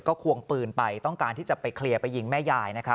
ก็ควงปืนไปต้องการที่จะไปเคลียร์หรือไปยิงแม่ยาย